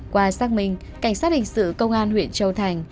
qua xác minh cảnh sát hình sự công an huyện châu thành